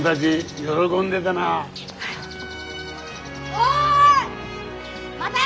おい！